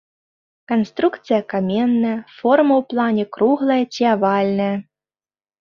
Канструкцыя каменная, форма ў плане круглая ці авальная.